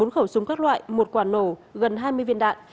bốn khẩu súng các loại một quả nổ gần hai mươi viên đạn